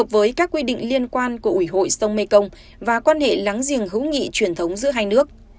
với các quy định liên quan của ủy hội sông mekong và quan hệ láng giềng hữu nghị truyền thống giữa hai nước